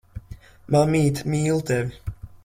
Mammīte mīl tevi.